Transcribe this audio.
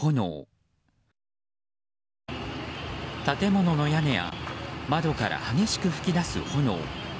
建物の屋根や窓から激しく噴き出す炎。